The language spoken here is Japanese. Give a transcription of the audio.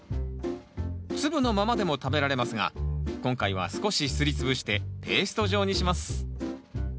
粒のままでも食べられますが今回は少しすり潰してペースト状にします